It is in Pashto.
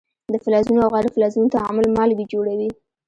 د فلزونو او غیر فلزونو تعامل مالګې جوړوي.